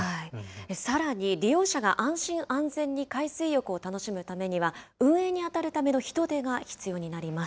さらに利用者が安心、安全に海水浴を楽しむためには、運営に当たるための人手が必要になります。